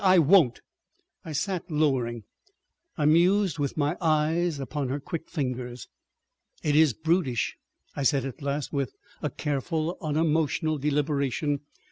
I won't." I sat lowering, I mused with my eyes upon her quick fingers. "It IS brutish," I said at last, with a careful unemotional deliberation.